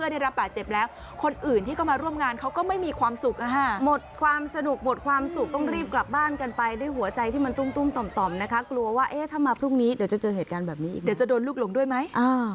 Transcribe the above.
เดี๋ยวจะโดนลูกหลงด้วยไหม